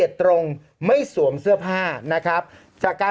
โอเคโอเคโอเคโอเคโอเค